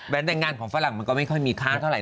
แต่งงานของฝรั่งมันก็ไม่ค่อยมีค่าเท่าไห